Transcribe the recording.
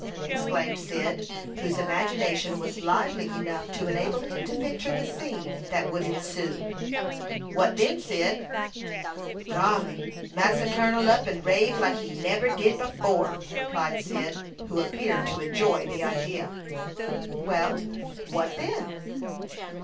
exclaimed Cyd, whose imagination was lively enough to enable him to picture the scene that would ensue. "What then, Cyd?" "Golly! Massa Kun'l up and rave like he neber did afore," replied Cyd, who appeared to enjoy the idea. "Well, what then?"